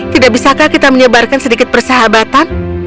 tidak bisakah kita menyebarkan sedikit persahabatan